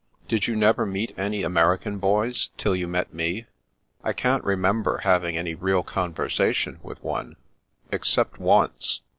" Did you never meet any American boys, till you met me? "" I can't remember having any real conversation with one, except once.